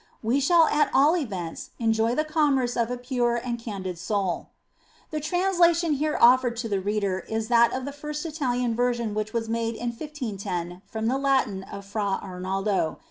We shall at all events enjoy the commerce of a pure and candid soul. The translation here offered to the reader is that of the first Italian version which was made in 1510 from the Latin of Fra Arnaldo.